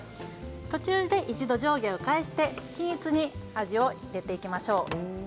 途中で一度、上下を返して均一に味を入れていきましょう。